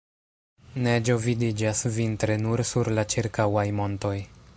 Neĝo vidiĝas vintre nur sur la ĉirkaŭaj montoj.